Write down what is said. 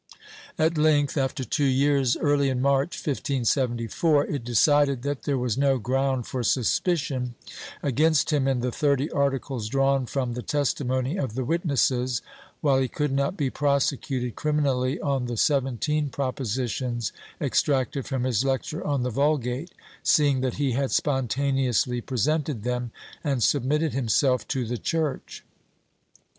At length, after two years, early in March, 1574, it decided that there was no ground for suspicion against him in the thirty articles drawn from the testimony of the witnesses, while he could not be prosecuted criminally on the seventeen proposi tions extracted from his lecture on the Vulgate, seeing that he had spontaneously presented them and submitted himself to the Church.